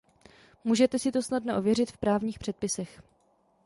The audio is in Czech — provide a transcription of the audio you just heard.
Můžete si to snadno ověřit v právních předpisech.